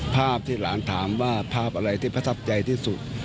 ภาพที่หลานถามว่าภาพอะไรที่ประทับใจที่สุด